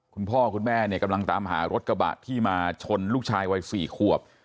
คุณพ่อคุณแม่เนี่ยกำลังตามหารถกระบะที่มาชนลูกชายวัย๔ขวบ